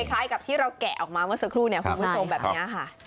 คล้ายกับที่เราแกะออกมาเมื่อสักครู่เนี่ยคุณผู้ชมแบบนี้ค่ะ